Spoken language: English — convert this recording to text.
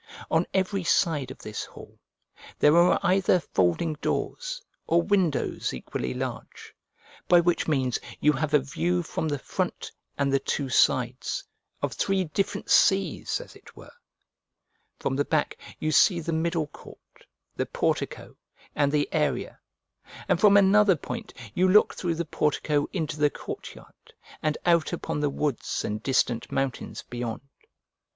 On every side of this hall there are either folding doors or windows equally large, by which means you have a view from the front and the two sides of three different seas, as it were: from the back you see the middle court, the portico, and the area; and from another point you look through the portico into the courtyard, and out upon the woods and distant mountains beyond.